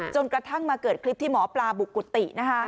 จนกระทั่งมาเกิดคลิปที่หมอปลาบุกกุฏินะคะ